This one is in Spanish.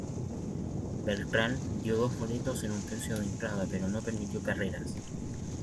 Beltrán dio dos boletos en un tercio de entrada, pero no permitió carreras.